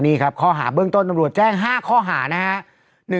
นี่ครับข้อหาเบื้องต้นตำรวจแจ้ง๕ข้อหานะครับ